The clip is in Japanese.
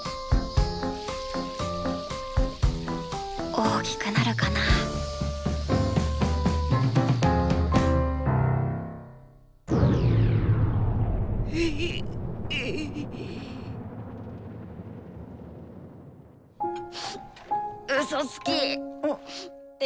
大きくなるかなウソつき。え！？